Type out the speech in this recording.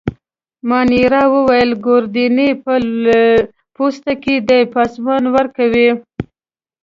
مانیرا وویل: ګوردیني په پوسته کي دی، پاسمان ورکوي.